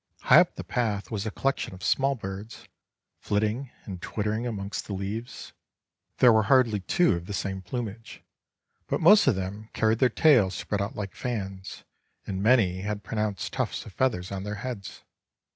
High up the path was a collection of small birds, flitting and twittering amongst the leaves. There were hardly two of the same plumage, but most of them carried their tails spread out like fans, and many had pronounced tufts of feathers on their heads.